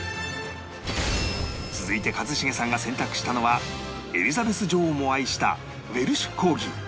続いて一茂さんが選択したのはエリザベス女王も愛したウェルシュ・コーギー